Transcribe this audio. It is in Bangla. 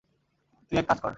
তুই এক কাজ কর।